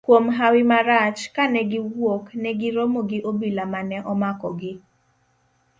Kuom hawi marach, kane giwuok, negi romo gi obila mane omakogi.